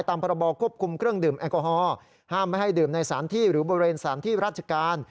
ตามพคคุมเครื่องดื่มแอลกอฮอล์ห้ามให้ดื่มในสารที่หรือบริเวณสารที่รัชกาล